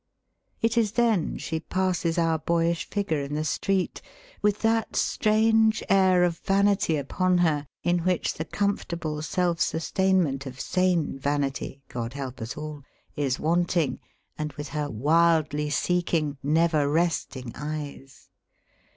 It is then she passes our boyish figure in the street, with that strange air of vanity upon her, in which the comfortable self sustainment of sane vanity (God help us all !) is wanting, and with her wildly seeking, never resting, eyes.